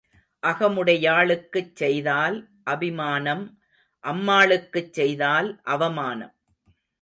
அகமுடையாளுக்குச் செய்தால் அபிமானம் அம்மாளுக்குச் செய்தால் அவமானம்.